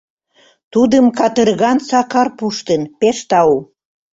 Тудым Катырган Сакар пуштын — пеш тау.